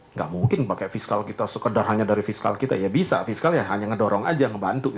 nggak mungkin pakai fiskal kita sekedar hanya dari fiskal kita ya bisa fiskal ya hanya ngedorong aja ngebantu